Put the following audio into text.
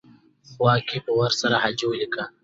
خوا کې ورسره حاجي ولیکه.